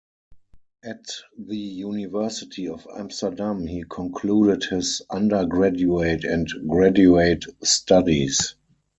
At the University of Amsterdam he concluded his undergraduate and graduate studies.